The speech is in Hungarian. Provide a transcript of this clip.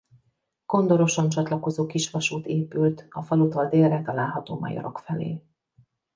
Kondoroson csatlakozó kisvasút épült a falutól délre található majorok felé.